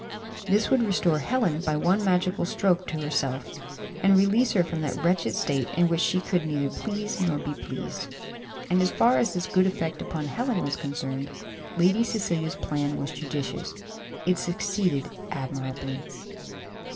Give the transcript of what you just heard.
This would restore Helen by one magical stroke to herself, and release her from that wretched state in which she could neither please nor be pleased." And as far as this good effect upon Helen was concerned, Lady Cecilia's plan was judicious; it succeeded admirably.